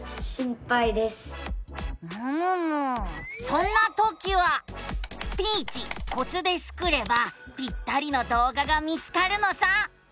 そんなときは「スピーチコツ」でスクればぴったりの動画が見つかるのさ。